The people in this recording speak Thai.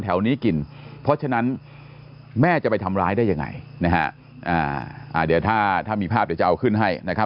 แถวนี้กินเพราะฉะนั้นแม่จะไปทำร้ายได้ยังไงนะฮะเดี๋ยวถ้ามีภาพเดี๋ยวจะเอาขึ้นให้นะครับ